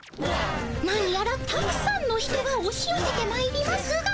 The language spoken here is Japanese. なにやらたくさんの人がおしよせてまいりますが。